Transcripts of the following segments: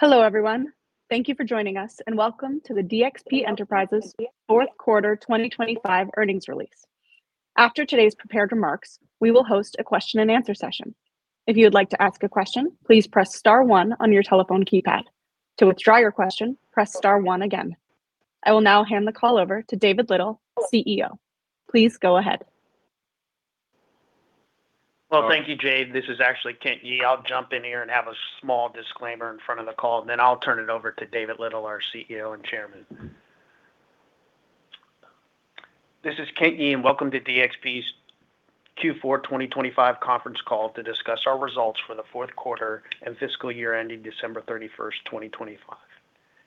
Hello everyone. Thank you for joining us, welcome to the DXP Enterprises fourth quarter 2025 earnings release. After today's prepared remarks, we will host a question-and-answer session. If you would like to ask a question, please press Star one on your telephone keypad. To withdraw your question, press Star one again. I will now hand the call over to David Little, CEO. Please go ahead. Well, thank you, Jade. This is actually Kent Yee. I'll jump in here and have a small disclaimer in front of the call, and then I'll turn it over to David Little, our CEO and Chairman. This is Kent Yee, and welcome to DXP's Q4 2025 conference call to discuss our results for the fourth quarter and fiscal year ending December 31st, 2025.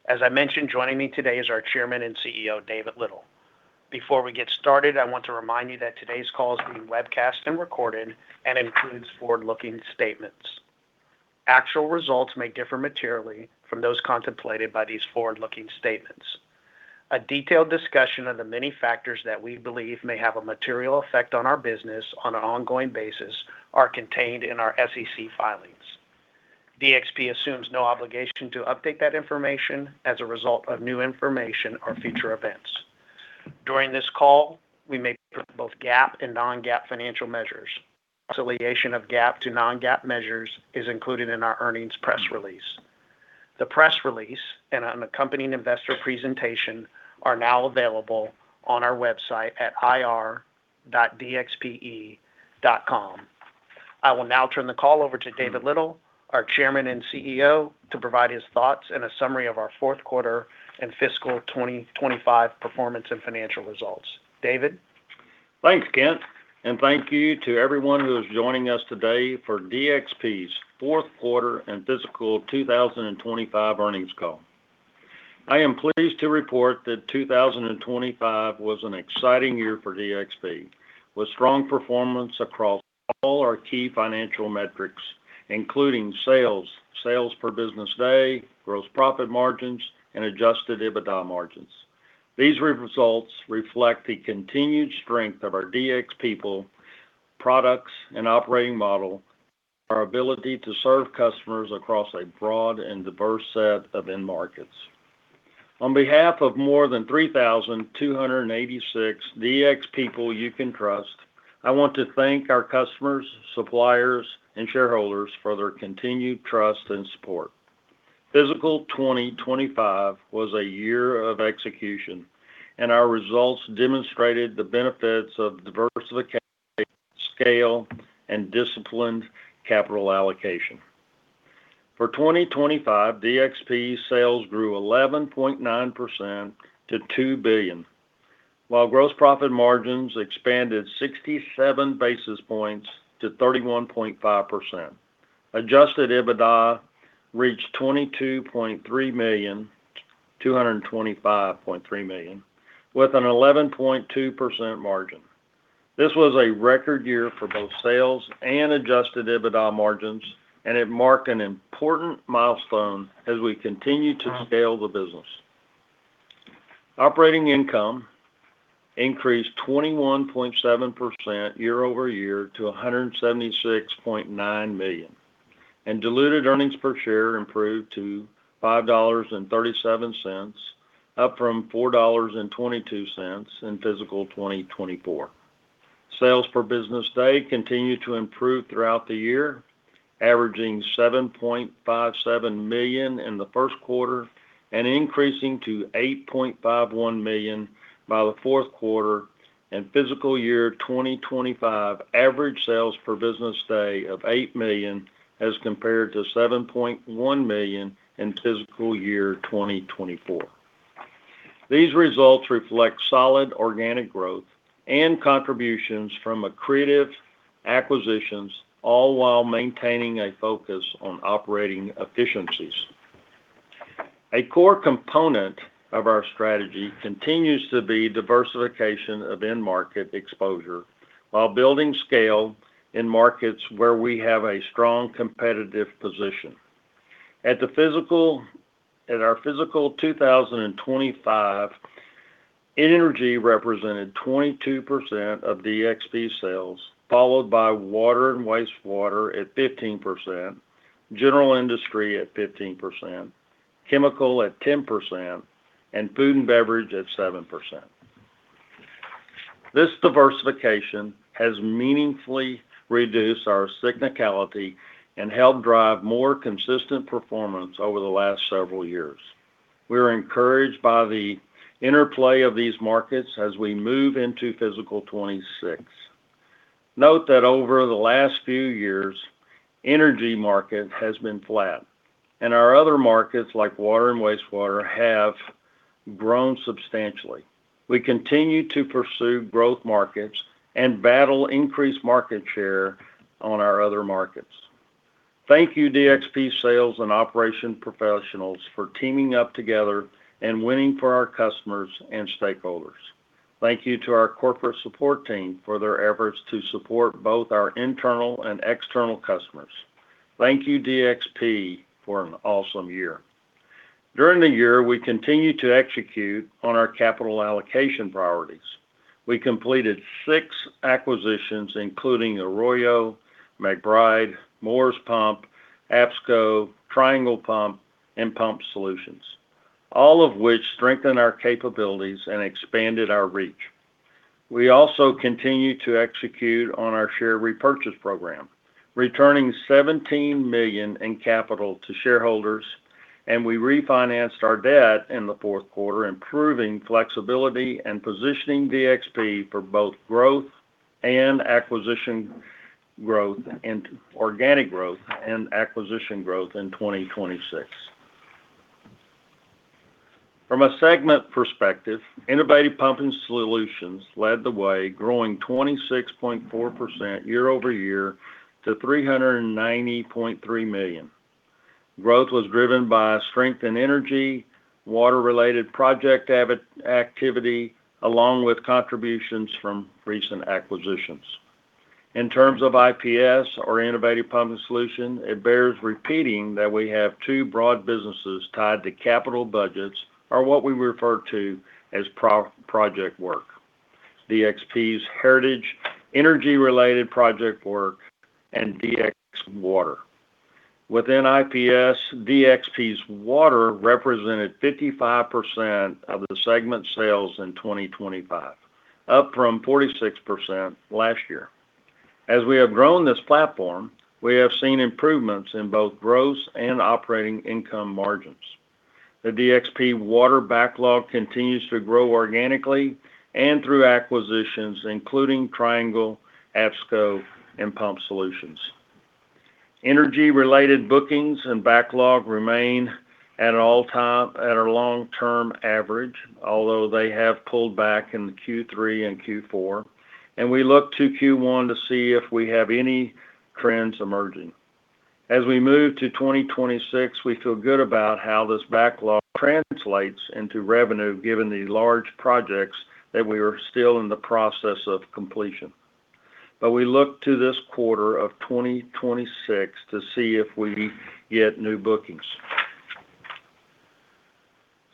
As I mentioned, joining me today is our Chairman and CEO, David Little. Before we get started, I want to remind you that today's call is being webcast and recorded and includes forward-looking statements. Actual results may differ materially from those contemplated by these forward-looking statements. A detailed discussion of the many factors that we believe may have a material effect on our business on an ongoing basis are contained in our SEC filings. DXP assumes no obligation to update that information as a result of new information or future events. During this call, we make both GAAP and non-GAAP financial measures. Reconciliation of GAAP to non-GAAP measures is included in our earnings press release. The press release and an accompanying investor presentation are now available on our website at ir.dxpe.com. I will now turn the call over to David Little, our Chairman and CEO, to provide his thoughts and a summary of our fourth quarter and fiscal 2025 performance and financial results. David? Thanks, Kent, and thank you to everyone who is joining us today for DXP's fourth quarter and fiscal 2025 earnings call. I am pleased to report that 2025 was an exciting year for DXP, with strong performance across all our key financial metrics, including sales per business day, gross profit margins, and adjusted EBITDA margins. These results reflect the continued strength of our DXPeople, products, and operating model, our ability to serve customers across a broad and diverse set of end markets. On behalf of more than 3,286 DXPeople you can trust, I want to thank our customers, suppliers, and shareholders for their continued trust and support. Fiscal 2025 was a year of execution. Our results demonstrated the benefits of diversification, scale, and disciplined capital allocation. For 2025, DXP sales grew 11.9% to $2 billion, while gross profit margins expanded 67 basis points to 31.5%. Adjusted EBITDA reached $22.3 million, $225.3 million, with an 11.2% margin. This was a record year for both sales and Adjusted EBITDA margins, and it marked an important milestone as we continue to scale the business. Operating income increased 21.7% year-over-year to $176.9 million, and diluted earnings per share improved to $5.37, up from $4.22 in fiscal 2024. Sales per business day continued to improve throughout the year, averaging $7.57 million in the first quarter and increasing to $8.51 million by the fourth quarter. Fiscal year 2025 average sales per business day of $8 million, as compared to $7.1 million in fiscal year 2024. These results reflect solid organic growth and contributions from accretive acquisitions, all while maintaining a focus on operating efficiencies. A core component of our strategy continues to be diversification of end market exposure while building scale in markets where we have a strong competitive position. At our Fiscal 2025, Energy represented 22% of DXP sales, followed by Water and Wastewater at 15%, General Industry at 15%, Chemical at 10%, and food and beverage at 7%. This diversification has meaningfully reduced our cyclicality and helped drive more consistent performance over the last several years. We are encouraged by the interplay of these markets as we move into fiscal 2026. Note that over the last few years, energy market has been flat, and our other markets, like Water and Wastewater, have grown substantially. We continue to pursue growth markets and battle increased market share on our other markets. Thank you, DXP sales and operation professionals, for teaming up together and winning for our customers and stakeholders. Thank you to our corporate support team for their efforts to support both our internal and external customers. Thank you, DXP, for an awesome year! During the year, we continued to execute on our capital allocation priorities. We completed 6 acquisitions, including Arroyo, McBride, Moores Pump, APSCO, Triangle Pump, and Pump Solutions, all of which strengthened our capabilities and expanded our reach. We also continued to execute on our share repurchase program, returning $17 million in capital to shareholders. We refinanced our debt in the fourth quarter, improving flexibility and positioning DXP for both growth and acquisition growth, and organic growth and acquisition growth in 2026. From a segment perspective, Innovative Pumping Solutions led the way, growing 26.4% year-over-year to $390.3 million. Growth was driven by strength in energy, water-related project activity, along with contributions from recent acquisitions. In terms of IPS, or Innovative Pumping Solutions, it bears repeating that we have two broad businesses tied to capital budgets, or what we refer to as project work: DXP's heritage, energy-related project work, and DXP Water. Within IPS, DXP Water represented 55% of the segment's sales in 2025, up from 46% last year. As we have grown this platform, we have seen improvements in both gross and operating income margins. The DXP Water backlog continues to grow organically and through acquisitions, including Triangle, APSCO, and Pump Solutions. Energy-related bookings and backlog remain at our long-term average, although they have pulled back in Q3 and Q4. We look to Q1 to see if we have any trends emerging. As we move to 2026, we feel good about how this backlog translates into revenue, given the large projects that we are still in the process of completion. We look to this quarter of 2026 to see if we get new bookings.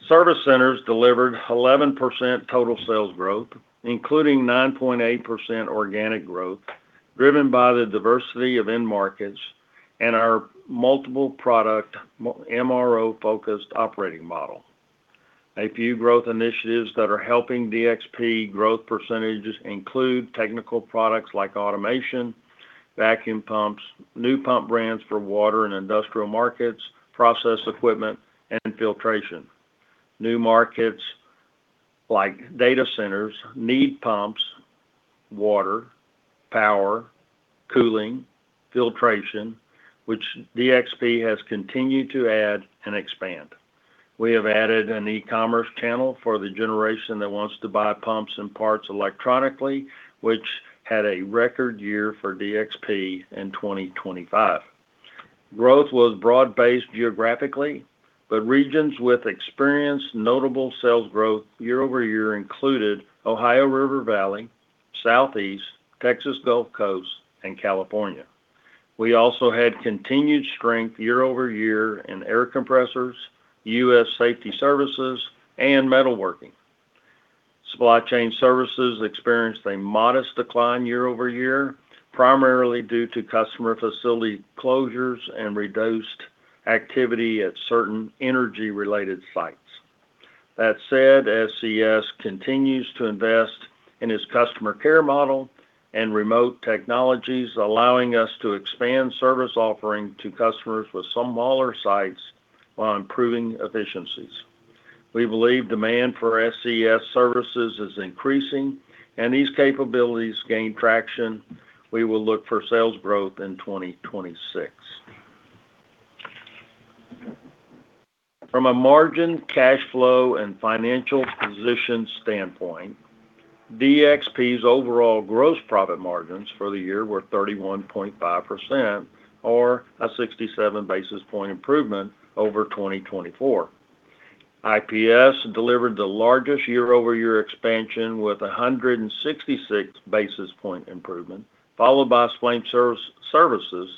Service Centers delivered 11% total sales growth, including 9.8% organic growth, driven by the diversity of end markets and our multiple product, MRO-focused operating model. A few growth initiatives that are helping DXP growth percentages include technical products like automation, vacuum pumps, new pump brands for water and industrial markets, process equipment, and filtration. New markets like data centers, need pumps, water, power, cooling, filtration, which DXP has continued to add and expand. We have added an e-commerce channel for the generation that wants to buy pumps and parts electronically, which had a record year for DXP in 2025. Growth was broad-based geographically, regions with experienced notable sales growth year-over-year included Ohio River Valley, Southeast, Texas Gulf Coast, and California. We also had continued strength year-over-year in U.S. safety services and metalworking. Supply Chain Services experienced a modest decline year-over-year, primarily due to customer facility closures and reduced activity at certain energy-related sites. That said, SCS continues to invest in its customer care model and remote technologies, allowing us to expand service offering to customers with some smaller sites while improving efficiencies. We believe demand for SCS services is increasing, and these capabilities gain traction, we will look for sales growth in 2026. From a margin, cash flow, and financial position standpoint, DXP's overall gross profit margins for the year were 31.5% or a 67 basis point improvement over 2024. IPS delivered the largest year-over-year expansion with 166 basis point improvement, followed by Supply Chain Services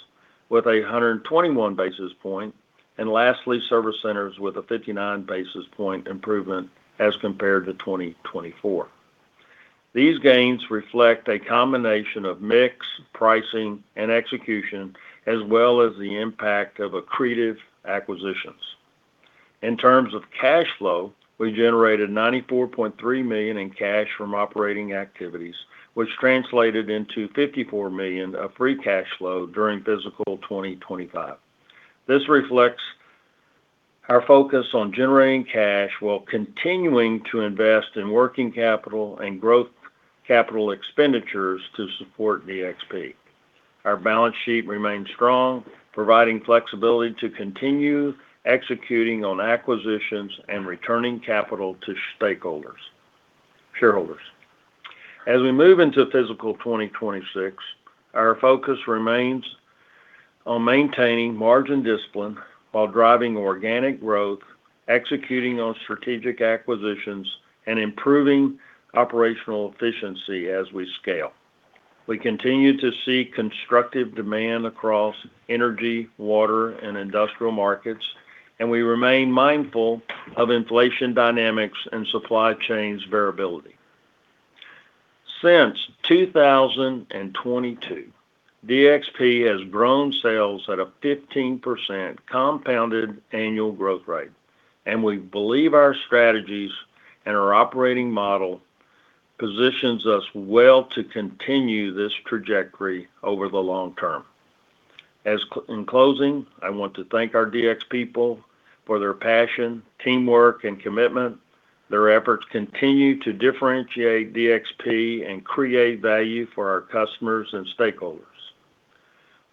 with 121 basis point, lastly, Service Centers with a 59 basis point improvement as compared to 2024. These gains reflect a combination of mix, pricing, and execution, as well as the impact of accretive acquisitions. In terms of cash flow, we generated $94.3 million in cash from operating activities, which translated into $54 million of free cash flow during Fiscal 2025. This reflects our focus on generating cash while continuing to invest in working capital and growth capital expenditures to support DXP. Our balance sheet remains strong, providing flexibility to continue executing on acquisitions and returning capital to stakeholders, shareholders. As we move into Fiscal 2026, our focus remains on maintaining margin discipline while driving organic growth, executing on strategic acquisitions, and improving operational efficiency as we scale. We continue to see constructive demand across energy, water, and industrial markets. We remain mindful of inflation dynamics and supply chains variability. Since 2022, DXP has grown sales at a 15% compounded annual growth rate. We believe our strategies and our operating model positions us well to continue this trajectory over the long-term. As in closing, I want to thank our DXPeople for their passion, teamwork, and commitment. Their efforts continue to differentiate DXP and create value for our customers and stakeholders.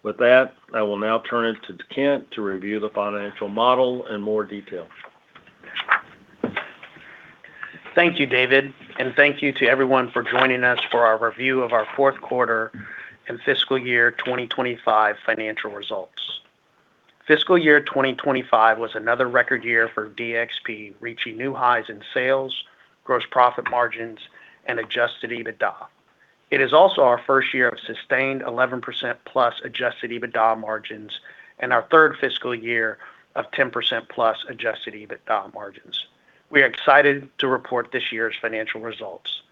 With that, I will now turn it to Kent to review the financial model in more detail. Thank you, David, and thank you to everyone for joining us for our review of our fourth quarter and fiscal year 2025 financial results. Fiscal year 2025 was another record year for DXP, reaching new highs in sales, gross profit margins, and adjusted EBITDA. It is also our first year of sustained 11%+ adjusted EBITDA margins and our third fiscal year of 10%+ adjusted EBITDA margins. We are excited to report this year's financial results.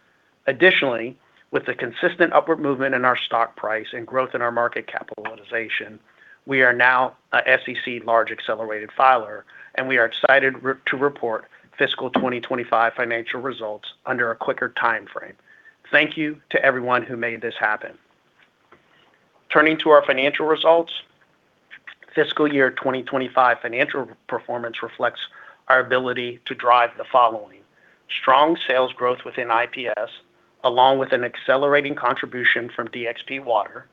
Additionally, with the consistent upward movement in our stock price and growth in our market capitalization, we are now a SEC large accelerated filer, and we are excited to report Fiscal 2025 financial results under a quicker timeframe. Thank you to everyone who made this happen. Turning to our financial results, fiscal year 2025 financial performance reflects our ability to drive the following: strong sales growth within IPS, along with an accelerating contribution from DXP Water,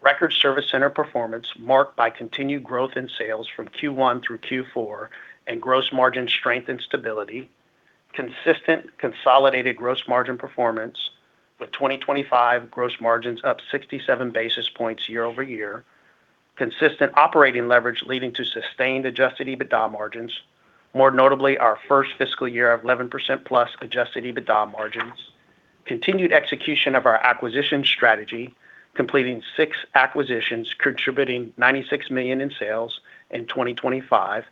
record service center performance marked by continued growth in sales from Q1 through Q4, and gross margin strength and stability, consistent consolidated gross margin performance, with 2025 gross margins up 67 basis points year-over-year. Consistent operating leverage leading to sustained adjusted EBITDA margins. More notably, our first fiscal year of 11%+ adjusted EBITDA margins. Continued execution of our acquisition strategy, completing 6 acquisitions, contributing $96 million in sales in 2025.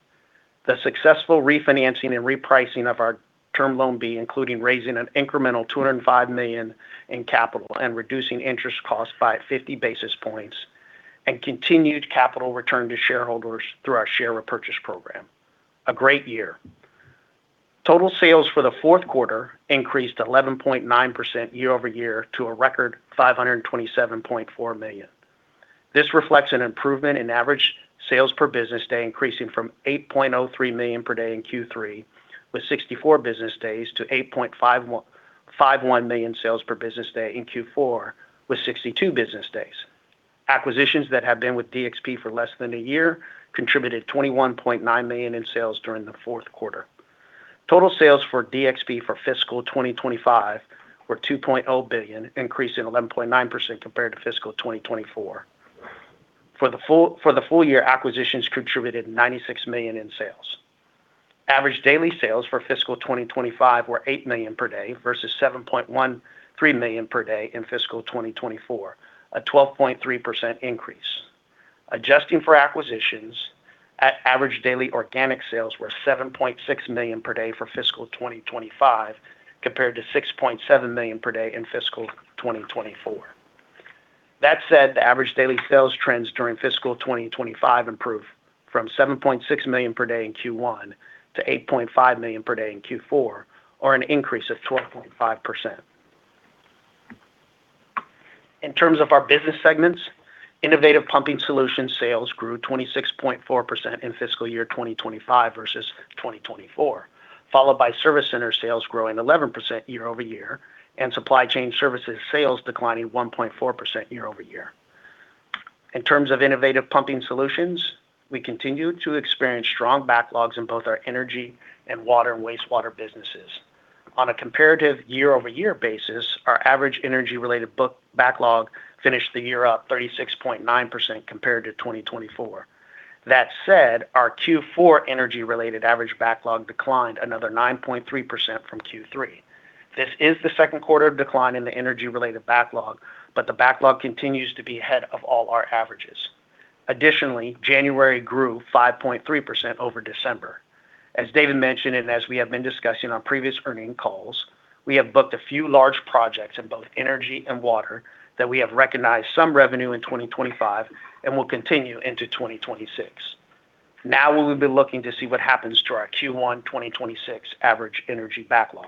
The successful refinancing and repricing of our term loan B, including raising an incremental $205 million in capital and reducing interest costs by 50 basis points, and continued capital return to shareholders through our share repurchase program. A great year. Total sales for the fourth quarter increased 11.9% year-over-year to a record $527.4 million. This reflects an improvement in average sales per business day, increasing from $8.03 million per day in Q3, with 64 business days to $8.51 million sales per business day in Q4 with 62 business days. Acquisitions that have been with DXP for less than a year contributed $21.9 million in sales during the fourth quarter. Total sales for DXP for Fiscal 2025 were $2.0 billion, increasing 11.9% compared to fiscal 2024. For the full-year, acquisitions contributed $96 million in sales. Average daily sales for Fiscal 2025 were $8 million per day versus $7.13 million per day in fiscal 2024, a 12.3% increase. Adjusting for acquisitions at average daily organic sales were $7.6 million per day for Fiscal 2025, compared to $6.7 million per day in Fiscal 2024. The average daily sales trends during Fiscal 2025 improved from $7.6 million per day in Q1 to $8.5 million per day in Q4, or an increase of 12.5%. In terms of our business segments, Innovative Pumping Solutions sales grew 26.4% in fiscal year 2025 versus 2024, followed by Service Center sales growing 11% year-over-year, and Supply Chain Services sales declining 1.4% year-over-year. In terms of Innovative Pumping Solutions, we continue to experience strong backlogs in both our Energy and Water and Wastewater businesses. On a comparative year-over-year basis, our average Energy-related book backlog finished the year up 36.9% compared to 2024. That said, our Q4 energy-related average backlog declined another 9.3% from Q3. This is the second quarter of decline in the energy-related backlog, the backlog continues to be ahead of all our averages. Additionally, January grew 5.3% over December. As David mentioned, and as we have been discussing on previous earnings calls, we have booked a few large projects in both Energy and Water, that we have recognized some revenue in 2025 and will continue into 2026. Now, we will be looking to see what happens to our Q1 2026 average energy backlog.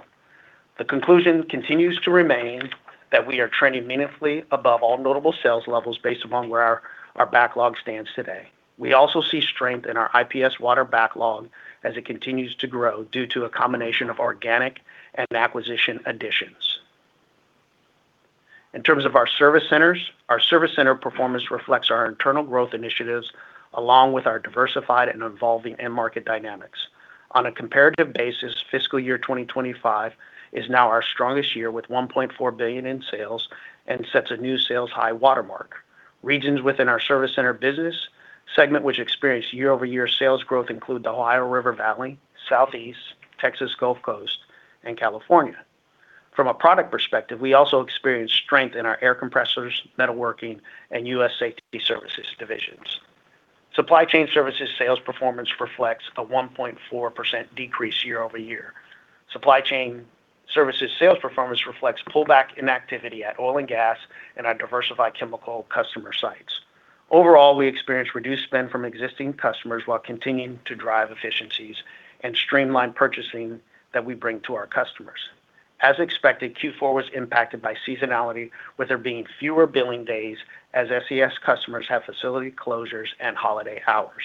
The conclusion continues to remain that we are trending meaningfully above all notable sales levels based upon where our backlog stands today. We also see strength in our IPS Water backlog as it continues to grow due to a combination of organic and acquisition additions. In terms of our Service Centers, our Service Center performance reflects our internal growth initiatives, along with our diversified and evolving end market dynamics. On a comparative basis, fiscal year 2025 is now our strongest year, with $1.4 billion in sales and sets a new sales high watermark. Regions within our Service Centers business segment, which experienced year-over-year sales growth, include the Ohio River Valley, Southeast, Texas Gulf Coast, and California. From a product perspective, we also experienced strength in our air compressors, metalworking, and U.S. Safety Services divisions. Supply Chain Services sales performance reflects a 1.4% decrease year-over-year. Supply Chain Services sales performance reflects pullback in activity at oil and gas and our diversified chemical customer sites. Overall, we experienced reduced spend from existing customers while continuing to drive efficiencies and streamline purchasing that we bring to our customers. As expected, Q4 was impacted by seasonality, with there being fewer billing days as SCS customers have facility closures and holiday hours.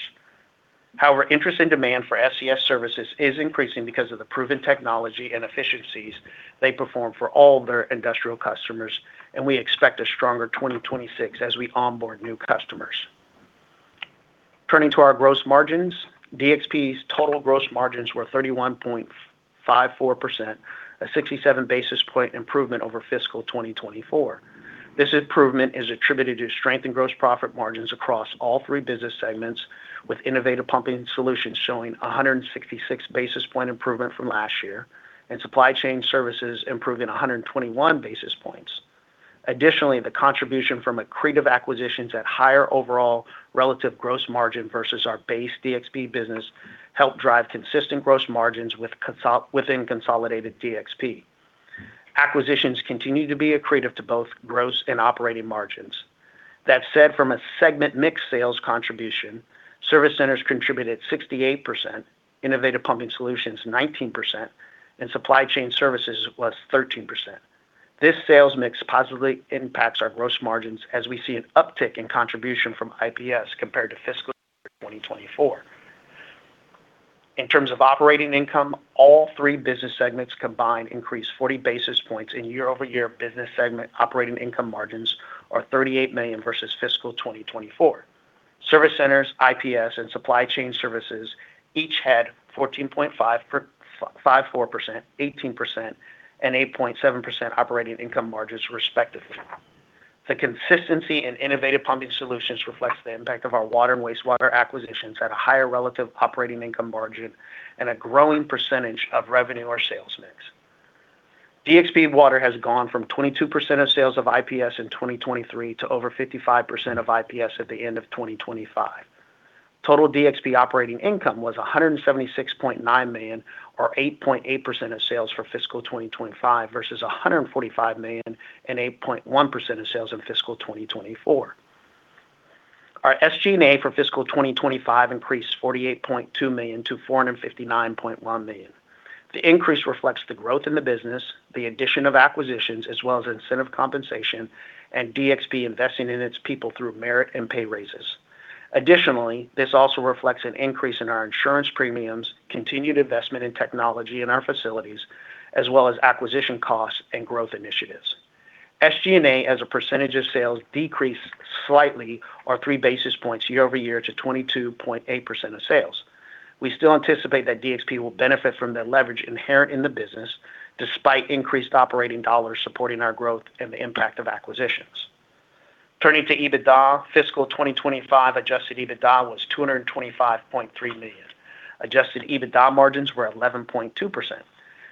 Interest and demand for SCS services is increasing because of the proven technology and efficiencies they perform for all their industrial customers, and we expect a stronger 2026 as we onboard new customers. Turning to our gross margins, DXP's total gross margins were 31.54%, a 67 basis point improvement over Fiscal 2024. This improvement is attributed to strength in gross profit margins across all three business segments, with Innovative Pumping Solutions showing 166 basis point improvement from last year, and Supply Chain Services improving 121 basis points. Additionally, the contribution from accretive acquisitions at higher overall relative gross margin versus our base DXP business helped drive consistent gross margins within consolidated DXP. Acquisitions continue to be accretive to both gross and operating margins. That said, from a segment mix sales contribution, Service Centers contributed 68%, Innovative Pumping Solutions 19%, and Supply Chain Services was 13%. This sales mix positively impacts our gross margins as we see an uptick in contribution from IPS compared to Fiscal 2024. In terms of operating income, all three business segments combined increased 40 basis points in year-over-year business segment. Operating income margins are $38 million versus Fiscal 2024. Service Centers, IPS, and Supply Chain Services each had 14.54%, 18%, and 8.7% operating income margins, respectively. The consistency in Innovative Pumping Solutions reflects the impact of our Water and Wastewater acquisitions at a higher relative operating income margin and a growing percentage of revenue or sales mix. DXP Water has gone from 22% of sales of IPS in 2023 to over 55% of IPS at the end of 2025. Total DXP operating income was $176.9 million, or 8.8% of sales for fiscal 2025, versus $145 million and 8.1% of sales in Fiscal 2024. Our SG&A for Fiscal 2025 increased $48.2 million to $459.1 million. The increase reflects the growth in the business, the addition of acquisitions, as well as incentive compensation and DXP investing in its people through merit and pay raises. Additionally, this also reflects an increase in our insurance premiums, continued investment in technology in our facilities, as well as acquisition costs and growth initiatives. SG&A, as a percentage of sales, decreased slightly or 3 basis points year-over-year to 22.8% of sales. We still anticipate that DXP will benefit from the leverage inherent in the business, despite increased operating dollars supporting our growth and the impact of acquisitions. Turning to EBITDA, Fiscal 2025 adjusted EBITDA was $225.3 million. Adjusted EBITDA margins were 11.2%.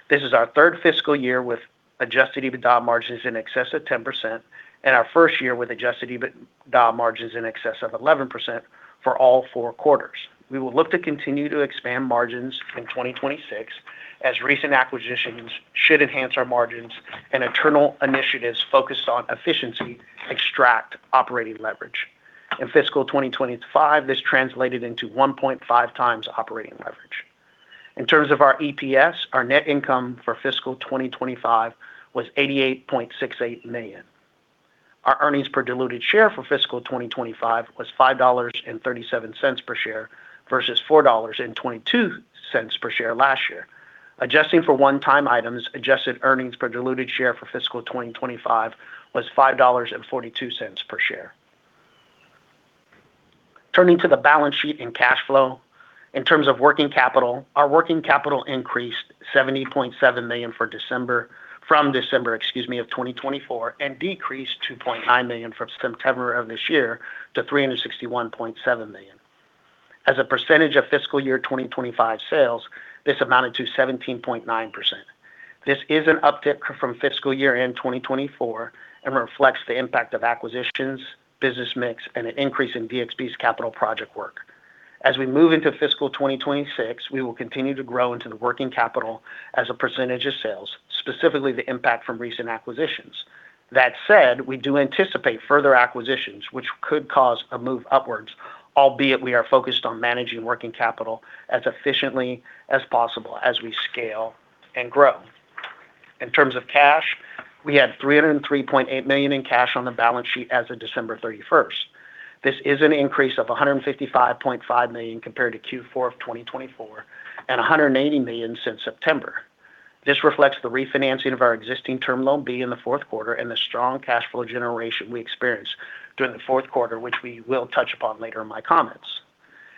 This is our third fiscal year with adjusted EBITDA margins in excess of 10% and our first year with adjusted EBITDA margins in excess of 11% for all four quarters. We will look to continue to expand margins in 2026, as recent acquisitions should enhance our margins and internal initiatives focused on efficiency extract operating leverage. In Fiscal 2025, this translated into 1.5x operating leverage. In terms of our EPS, our net income for Fiscal 2025 was $88.68 million. Our earnings per diluted share for Fiscal 2025 was $5.37 per share versus $4.22 per share last year. Adjusting for one-time items, adjusted earnings per diluted share for Fiscal 2025 was $5.42 per share. Turning to the balance sheet and cash flow. In terms of working capital, our working capital increased $70.7 million from December, excuse me, of 2024, and decreased $2.9 million from September of this year to $361.7 million. As a percentage of fiscal year 2025 sales, this amounted to 17.9%. This is an uptick from fiscal year end 2024 and reflects the impact of acquisitions, business mix, and an increase in DXP's capital project work. As we move into Fiscal 2026, we will continue to grow into the working capital as a percentage of sales, specifically the impact from recent acquisitions. That said, we do anticipate further acquisitions, which could cause a move upwards, albeit we are focused on managing working capital as efficiently as possible as we scale and grow. In terms of cash, we had $303.8 million in cash on the balance sheet as of December 31st. This is an increase of $155.5 million compared to Q4 of 2024 and $180 million since September. This reflects the refinancing of our existing term loan B in the fourth quarter and the strong cash flow generation we experienced during the fourth quarter, which we will touch upon later in my comments,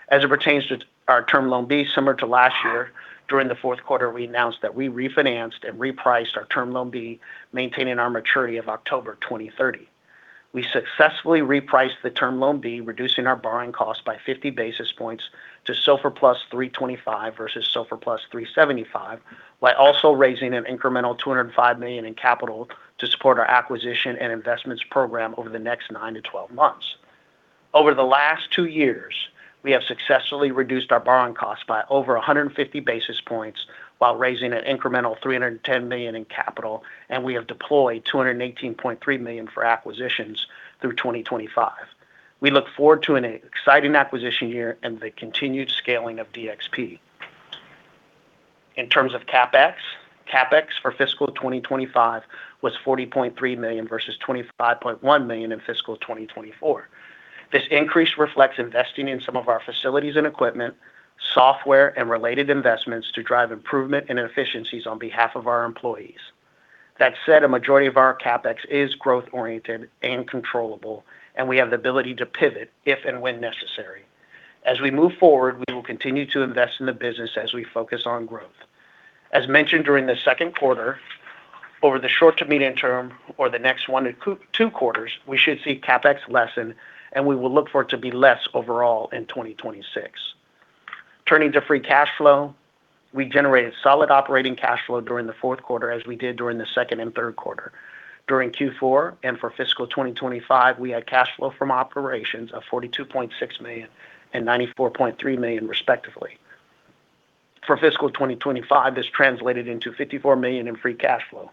as it pertains to our term loan B, similar to last year, during the fourth quarter, we announced that we refinanced and repriced our term loan B, maintaining our maturity of October 2030. We successfully repriced the term loan B, reducing our borrowing costs by 50 basis points to SOFR plus 325 versus SOFR plus 375, while also raising an incremental $205 million in capital to support our acquisition and investments program over the next 9-12 months. Over the last 2 years, we have successfully reduced our borrowing costs by over 150 basis points while raising an incremental $310 million in capital, and we have deployed $218.3 million for acquisitions through 2025. We look forward to an exciting acquisition year and the continued scaling of DXP. In terms of CapEx for Fiscal 2025 was $40.3 million versus $25.1 million in Fiscal 2024. This increase reflects investing in some of our facilities and equipment, software, and related investments to drive improvement and efficiencies on behalf of our employees. That said, a majority of our CapEx is growth-oriented and controllable, and we have the ability to pivot if and when necessary. As we move forward, we will continue to invest in the business as we focus on growth. As mentioned during the second quarter, over the short to medium-term or the next one to two quarters, we should see CapEx lessen, and we will look for it to be less overall in 2026. Turning to free cash flow, we generated solid operating cash flow during the fourth quarter, as we did during the second and third quarter. During Q4 and for Fiscal 2025, we had cash flow from operations of $42.6 million and $94.3 million, respectively. For Fiscal 2025, this translated into $54 million in free cash flow.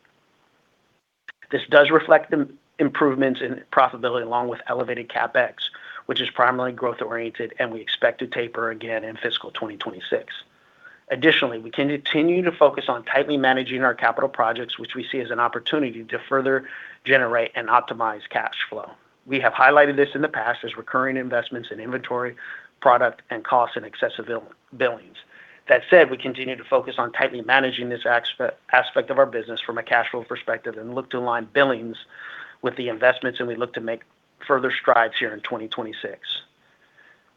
This does reflect the improvements in profitability, along with elevated CapEx, which is primarily growth-oriented, and we expect to taper again in Fiscal 2026. Additionally, we continue to focus on tightly managing our capital projects, which we see as an opportunity to further generate and optimize cash flow. We have highlighted this in the past as recurring investments in inventory, product, and costs, and excessive billings. That said, we continue to focus on tightly managing this aspect of our business from a cash flow perspective and look to align billings with the investments, and we look to make further strides here in 2026.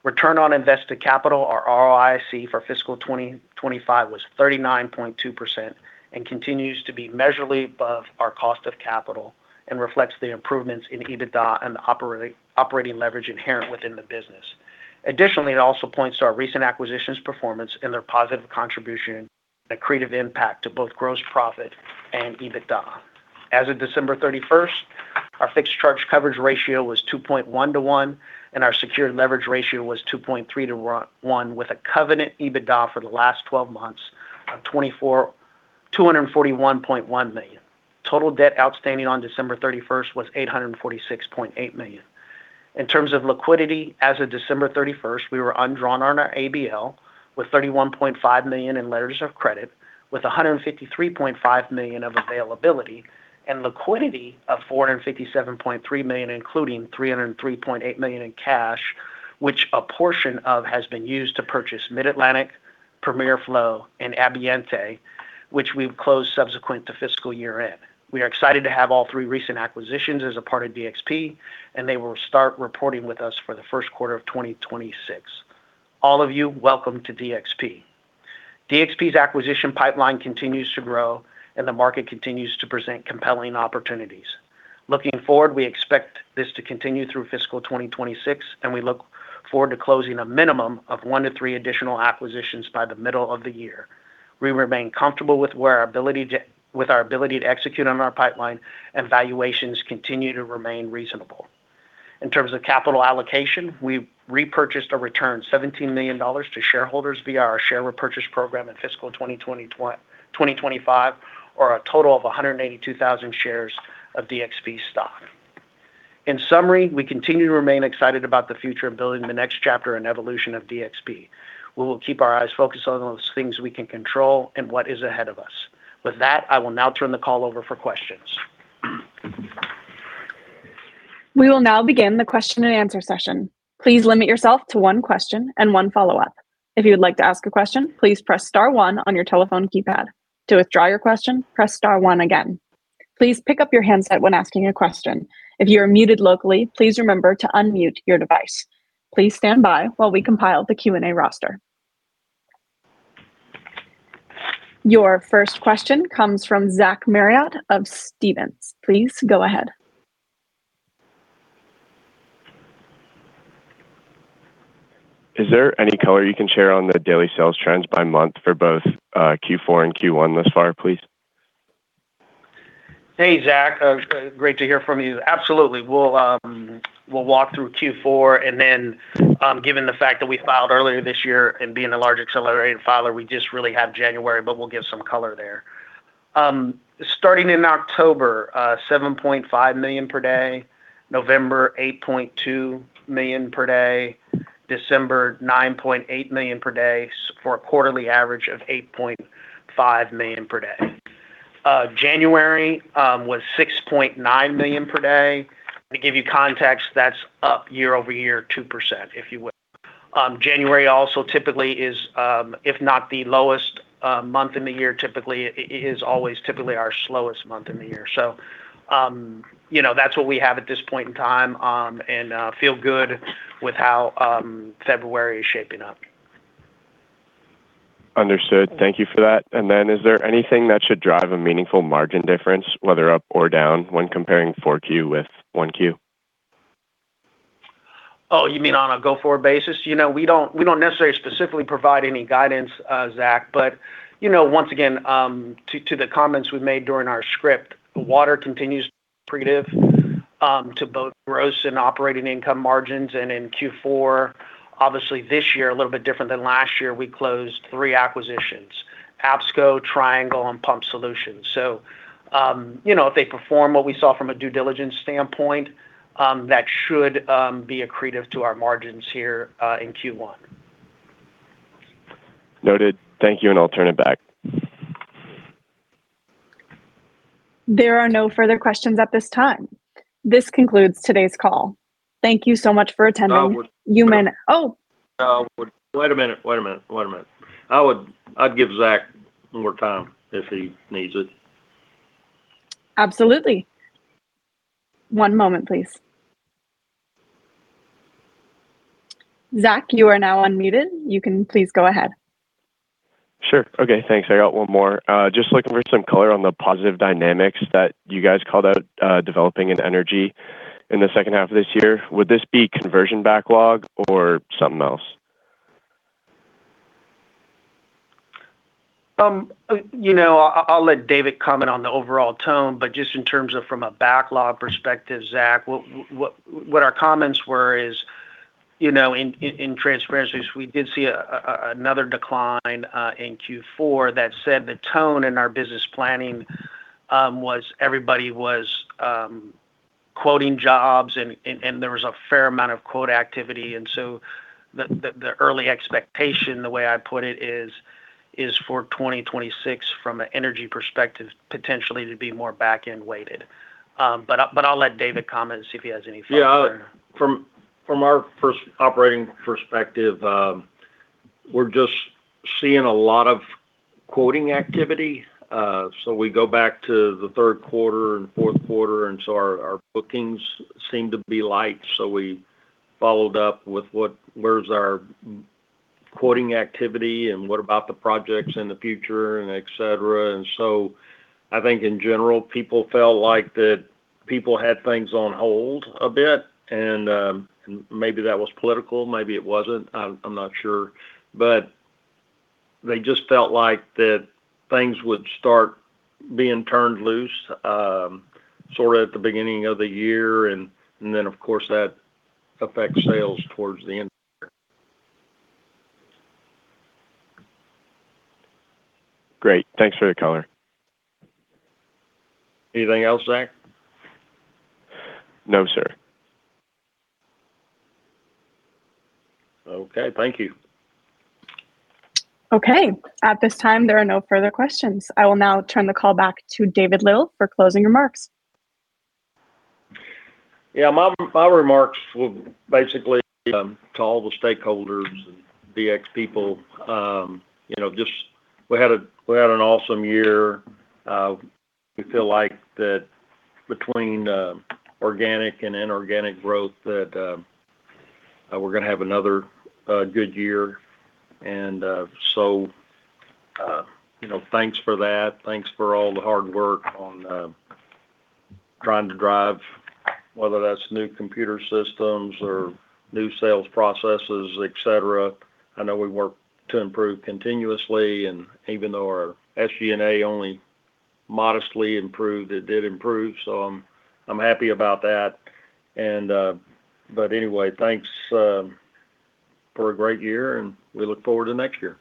Return on invested capital, or ROIC, for Fiscal 2025 was 39.2% and continues to be measurably above our cost of capital and reflects the improvements in EBITDA and the operating leverage inherent within the business. Additionally, it also points to our recent acquisitions performance and their positive contribution, accretive impact to both gross profit and EBITDA. As of December 31st, our fixed charge coverage ratio was 2.1:1, and our secured leverage ratio was 2.3:1, with a covenant EBITDA for the last 12 months of $241.1 million. Total debt outstanding on December 31st was $846.8 million. In terms of liquidity, as of December 31st, we were undrawn on our ABL with $31.5 million in letters of credit, with $153.5 million of availability and liquidity of $457.3 million, including $303.8 million in cash, which a portion of has been used to purchase Mid-Atlantic, PREMIERflow, and Ambiente, which we've closed subsequent to fiscal year-end. We are excited to have all three recent acquisitions as a part of DXP, and they will start reporting with us for the first quarter of 2026. All of you, welcome to DXP. DXP's acquisition pipeline continues to grow, and the market continues to present compelling opportunities. Looking forward, we expect this to continue through fiscal 2026. We look forward to closing a minimum of 1-3 additional acquisitions by the middle of the year. We remain comfortable with our ability to execute on our pipeline. Valuations continue to remain reasonable. In terms of capital allocation, we repurchased or returned $17 million to shareholders via our share repurchase program in Fiscal 2025, or a total of 182,000 shares of DXP stock. In summary, we continue to remain excited about the future of building the next chapter and evolution of DXP. We will keep our eyes focused on those things we can control and what is ahead of us. With that, I will now turn the call over for questions. We will now begin the question-and-answer session. Please limit yourself to one question and one follow-up. If you would like to ask a question, please press Star one on your telephone keypad. To withdraw your question, press Star one again. Please pick up your handset when asking a question. If you are muted locally, please remember to unmute your device. Please stand by while we compile the Q&A roster. Your first question comes from Zach Marriott of Stephens. Please go ahead. Is there any color you can share on the daily sales trends by month for both, Q4 and Q1 thus far, please? Hey, Zach. Great to hear from you. Absolutely. We'll walk through Q4, and then, given the fact that we filed earlier this year and being a large accelerated filer, we just really have January, but we'll give some color there. Starting in October, $7.5 million per day, November, $8.2 million per day, December, $9.8 million per day, for a quarterly average of $8.5 million per day. January, was $6.9 million per day. To give you context, that's up year-over-year, 2%, if you will. January also typically is, if not the lowest, month in the year, typically, it is always typically our slowest month in the year. You know, that's what we have at this point in time, and feel good with how February is shaping up. Understood. Thank you for that. Then is there anything that should drive a meaningful margin difference, whether up or down, when comparing 4Q with 1Q? Oh, you mean on a go-forward basis? You know, we don't necessarily specifically provide any guidance, Zach, but, you know, once again, to the comments we made during our script, water continues accretive to both gross and operating income margins. In Q4, obviously, this year, a little bit different than last year, we closed 3 acquisitions, APSCO, Triangle, and Pump Solutions. You know, if they perform what we saw from a due diligence standpoint, that should be accretive to our margins here in Q1. Noted. Thank you, and I'll turn it back. There are no further questions at this time. This concludes today's call. Thank you so much for attending. No. Oh! wait a minute. I'd give Zach more time if he needs it. Absolutely. One moment, please. Zach, you are now unmuted. You can please go ahead. Sure. Okay, thanks. I got one more. Just looking for some color on the positive dynamics that you guys called out, developing in Energy in the second half of this year. Would this be conversion backlog or something else? you know, I'll let David comment on the overall tone, but just in terms of from a backlog perspective, Zach, what our comments were is, you know, in transparency, we did see a another decline in Q4. That said, the tone in our business planning was everybody was quoting jobs and there was a fair amount of quote activity, and so the early expectation, the way I'd put it is for 2026, from an energy perspective, potentially to be more back-end weighted. I'll let David comment and see if he has any thoughts. Yeah. From our first operating perspective, we're just seeing a lot of quoting activity. We go back to the third quarter and fourth quarter, our bookings seem to be light, so we followed up with where's our quoting activity and what about the projects in the future, etc. I think in general, people felt like that people had things on hold a bit, and maybe that was political, maybe it wasn't, I'm not sure. They just felt like that things would start being turned loose, sort of at the beginning of the year, and then, of course, that affects sales towards the end. Great. Thanks for the color. Anything else, Zach? No, sir. Okay. Thank you. At this time, there are no further questions. I will now turn the call back to David Little for closing remarks. Yeah, my remarks will basically, to all the stakeholders and DXPeople, you know, just we had an awesome year. We feel like that between organic and inorganic growth, that we're gonna have another good year. You know, thanks for that. Thanks for all the hard work on trying to drive, whether that's new computer systems or new sales processes, etc. I know we work to improve continuously, and even though our SG&A only modestly improved, it did improve, so I'm happy about that. Anyway, thanks, for a great year, and we look forward to next year.